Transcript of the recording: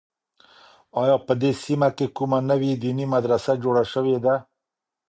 آیا په دې سیمه کې کومه نوې دیني مدرسه جوړه شوې ده؟